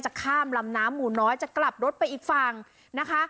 ข้ามลำน้ำหมู่น้อยจะกลับรถไปอีกฝั่งนะคะ